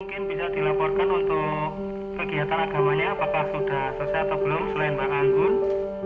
mungkin bisa dilaporkan untuk kegiatan agamanya apakah sudah selesai atau belum selain pak anggun